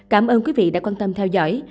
cảm ơn quý vị đã quan tâm theo dõi